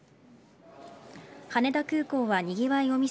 羽田空港はにぎわいを見せ